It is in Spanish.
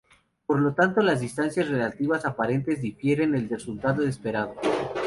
Por lo tanto, las distancias relativas aparentes difieren del resultado esperado.